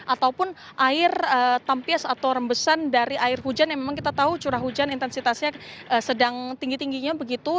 ataupun air tampias atau rembesan dari air hujan yang memang kita tahu curah hujan intensitasnya sedang tinggi tingginya begitu